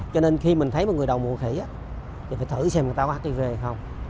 cho nên khi mình thấy một người đậu mùa khỉ thì phải thử xem người ta có hiv hay không